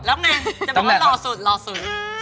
แล้วไงจะบอกว่าหล่อสุดหล่อสุด